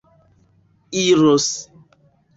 iros